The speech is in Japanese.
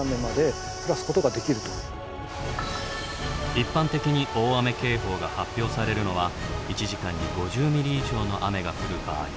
一般的に大雨警報が発表されるのは１時間に５０ｍｍ以上の雨が降る場合。